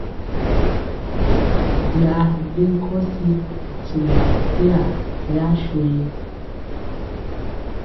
Byaa ri ɗe nkɔsi ntimɔ ateya ri asuye?